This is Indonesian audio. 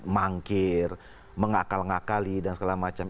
mangkir mengakal ngakali dan segala macam